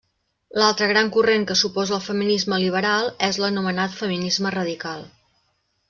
L'altre gran corrent que s'oposa al feminisme liberal és l'anomenat feminisme radical.